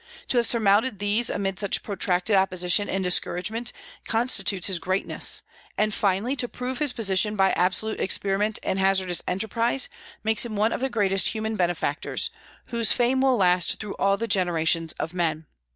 To have surmounted these amid such protracted opposition and discouragement constitutes his greatness; and finally to prove his position by absolute experiment and hazardous enterprise makes him one of the greatest of human benefactors, whose fame will last through all the generations of men.